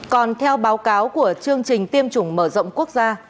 còn theo báo cáo của chương trình tiêm chủng mở rộng quốc gia